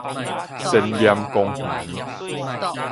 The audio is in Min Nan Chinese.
仙岩公園